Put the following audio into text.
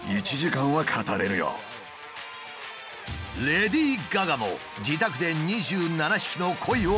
レディー・ガガも自宅で２７匹のコイを飼育。